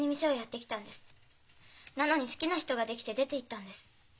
なのに好きな人が出来て出ていったんです。